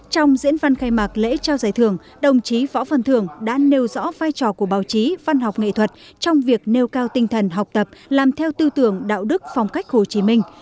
trong diễn văn khai mạc lễ trao giải thưởng đồng chí võ văn thường đã nêu rõ vai trò của báo chí văn học nghệ thuật trong việc nêu cao tinh thần học tập làm theo tư tưởng đạo đức phong cách hồ chí minh